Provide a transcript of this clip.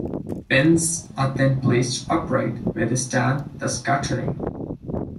Pins are then placed upright where they stand, thus scattering.